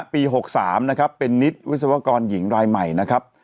ปี๖๓นะครับเป็นนิตวิศวกรหญิงรายใหม่นะครับ